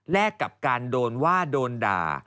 กับการโดนว่าโดนด่า